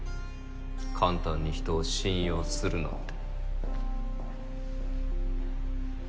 簡単に人を信用するなって。